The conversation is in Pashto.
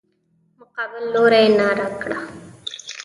مقابل لوري ناره کړه.